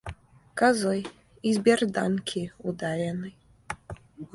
Козой, из берданки ударенной.